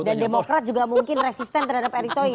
dan demokrat juga mungkin resisten terhadap erik thohir